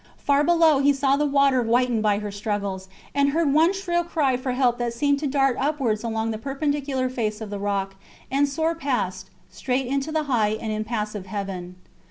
Far below he saw the water whitened by her struggles, and heard one shrill cry for help that seemed to dart upwards along the perpendicular face of the rock, and soar past, straight into the high and impassive heaven.